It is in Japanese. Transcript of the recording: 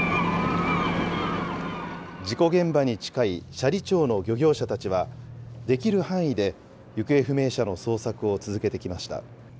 事故現場に近い、斜里町の漁業者たちは、できる範囲で行方不明者の捜索を続けてきました。